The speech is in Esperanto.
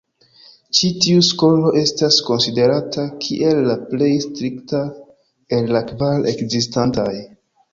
Ĉi tiu skolo estas konsiderata kiel la plej strikta el la kvar ekzistantaj.